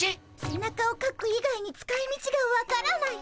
背中をかく以外に使いみちが分からない。